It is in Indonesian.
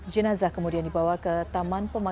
jenazah kemudian dibawa ke taman pemakaman umum rempoha